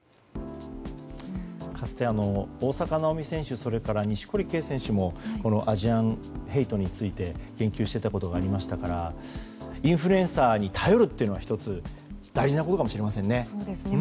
かつて、大坂なおみ選手それから錦織圭選手もアジアンヘイトについて言及していたことがありましたからインフルエンサーに頼るというのは１つ大事なことかもしれませんね。